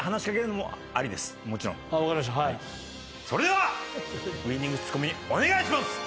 それではウイニングツッコミお願いします！